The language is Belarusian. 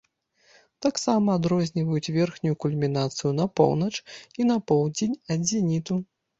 Таксама, адрозніваюць верхнюю кульмінацыю на поўнач і на поўдзень ад зеніту.